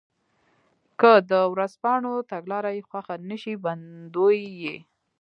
که د ورځپاڼو تګلاره یې خوښه نه شي بندوي یې.